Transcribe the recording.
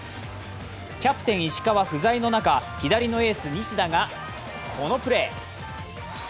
キャプテン・石川不在の中左のエース・西田がこのプレー。